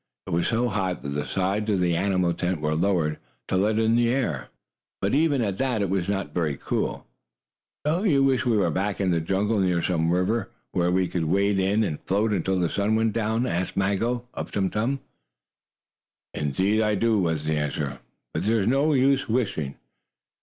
It was so hot that the sides of the animal tent were lowered to let in the air, but, even at that it was not very cool. "Don't you wish we were back in the jungle, near some river, where we could wade in and float until the sun went down?" asked Maggo of Tum Tum. "Indeed I do," was the answer. "But there is no use wishing."